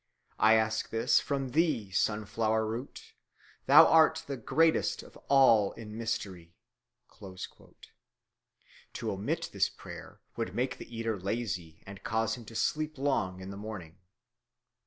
I ask this from thee, Sunflower Root. Thou art the greatest of all in mystery." To omit this prayer would make the eater lazy and cause him to sleep long in the morning.